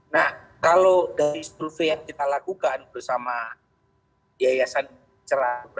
nah kalau dari survei yang kita lakukan bersama yayasan celana